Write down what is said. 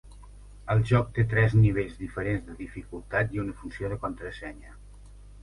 El joc té tres novells diferents de dificultat i una funció de contrasenya.